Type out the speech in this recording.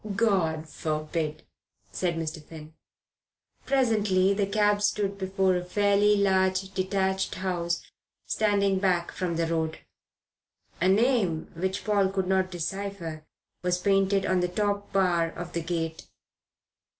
"God forbid," said Mr. Finn. Presently the cab stopped before a fairly large detached house standing back from the road. A name which Paul could not decipher was painted on the top bar of the gate.